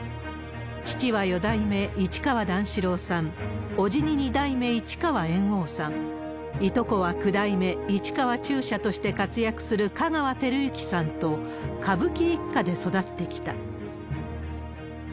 父は四代目市川段四郎さん、伯父に二代目市川猿翁さん、いとこは九代目市川中車として活躍する香川照之さんと、歌舞伎一家で育ってきた。